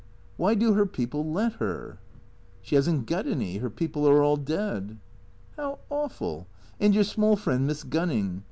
" Why do her people let her ?"" She has n't got any. Her people are all dead." " How awful. And your small friend, Miss Gunning?